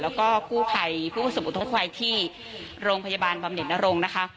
แล้วก็ผู้ไพรผู้สมุทรผู้ไพรที่โรงพยาบาลบำเน็ตนรงนะคะ